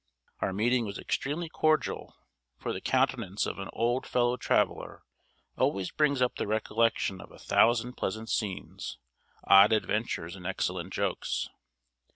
Our meeting was extremely cordial; for the countenance of an old fellow traveller always brings up the recollection of a thousand pleasant scenes, odd adventures, and excellent jokes.